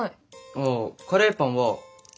ああカレーパンは圏外。